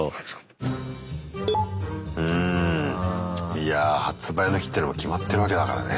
いやぁ発売の日っていうのも決まってるわけだからね。